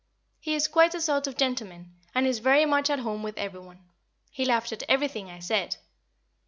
He is quite a sort of gentleman, and is very much at home with every one. He laughed at everything I said.